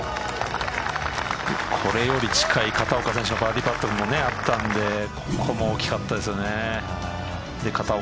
これより近い片岡選手のバーディーパットもあったのでここも大きかったですね。